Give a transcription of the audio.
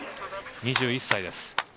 ２１歳です。